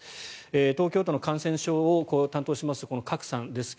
東京都の感染症を担当します賀来さんですが